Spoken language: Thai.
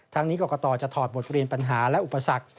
ทั้งนี้กรกตจะถอดบทเรียนปัญหาและอุปสรรค